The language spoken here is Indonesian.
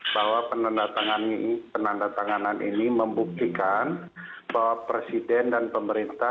bahwa penanda tangan ini membuktikan bahwa presiden dan pemerintah